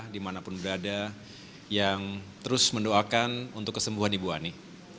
dimanapun berada yang terus mendoakan untuk kesembuhan ibu ani